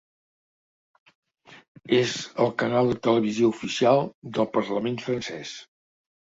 És el canal de televisió oficial del parlament francès.